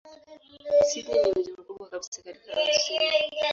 Sydney ni mji mkubwa kabisa katika Australia.